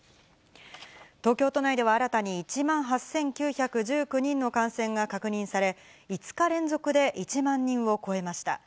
東京都内では新たに１万８９１９人の感染が確認され、５日連続で１万人を超えました。